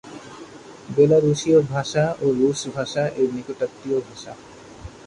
বেলারুশীয় ভাষা ও রুশ ভাষা এর নিকটাত্মীয় ভাষা।